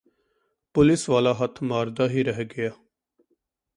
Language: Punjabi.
ਪੁਲੀਸ ਵਾਲਾ ਹੱਥ ਮਾਰਦਾ ਹੀ ਰਹਿ ਗਿਆ